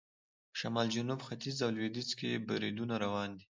په شمال، جنوب، ختیځ او لویدیځ کې بریدونه روان دي.